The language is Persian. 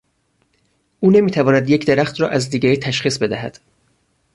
او نمیتواند یک درخت را از دیگری تشخیص بدهد.